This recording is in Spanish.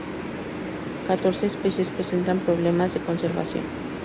Catorce especies presentan problemas de conservación.